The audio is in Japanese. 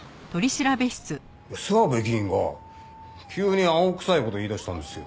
諏訪部議員が急に青臭い事を言いだしたんですよ。